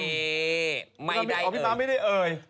เอ่ไม่ได้เอ่ยอ๋อพี่พะไม่ได้เอ่ย